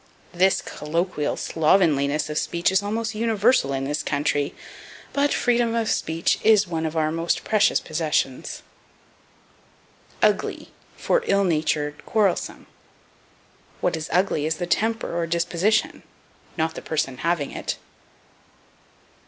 This colloquial slovenliness of speech is almost universal in this country, but freedom of speech is one of our most precious possessions. Ugly for Ill natured, Quarrelsome. What is ugly is the temper, or disposition, not the person having it.